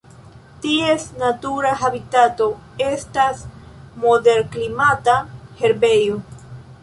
Ties natura habitato estas moderklimata herbejo.